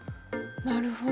なるほど。